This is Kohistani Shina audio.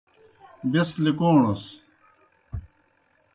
بیْس لِکَوݨَس۔